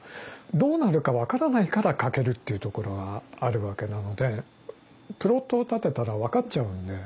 どうなるか分からないから書けるっていうところはあるわけなのでプロットを立てたら分かっちゃうので。